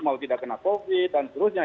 mau tidak kena covid dan seterusnya